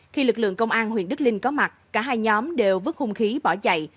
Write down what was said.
khi lực lượng công an huyện đức linh có mặt cả hai nhóm đều vứt hung khí bỏ chạy